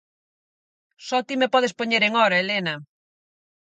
_Só ti me podes poñer en hora, Helena.